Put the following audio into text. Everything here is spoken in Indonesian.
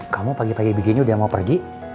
kamu pagi pagi begini udah mau pergi